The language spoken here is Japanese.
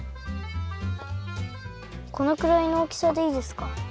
このくらいのおおきさでいいですか？